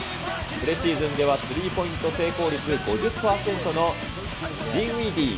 プレシーズンではスリーポイント成功率５０％のディンウィディー。